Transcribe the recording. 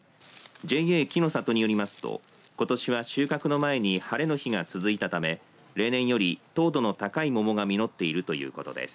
ＪＡ紀の里によりますとことしは収穫の前に晴れの日が続いたため例年より糖度の高い桃が実っているということです。